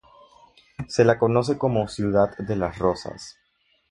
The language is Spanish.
Se la conoce como "ciudad de las rosas".